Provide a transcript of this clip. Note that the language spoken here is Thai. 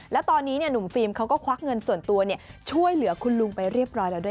และตอนนี้หนุ่มฟิล์มเขาก็ควักเงินส่วนตัวช่วยเหลือคุณลุงไปเรียบร้อยแล้วด้วย